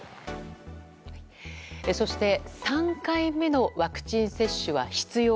そして３回目のワクチン接種は必要。